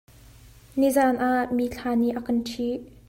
Nizaan ah mithla nih a kan ṭhih.